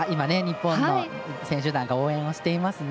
日本の選手団が応援してます。